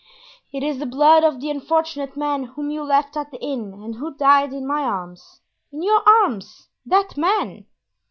"It is the blood of the unfortunate man whom you left at the inn and who died in my arms." "In your arms?—that man!